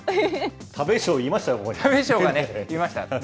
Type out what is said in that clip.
食べ将がいましたね。